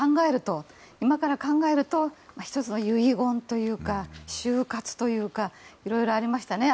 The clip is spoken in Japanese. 今から考えると１つの遺言というか終活というかいろいろありましたね。